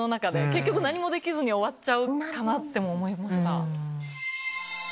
結局何もできずに終わっちゃうかなとも思いました。